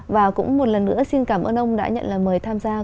và cũng một lần nữa xin cảm ơn ông đã nhận lời mời tham gia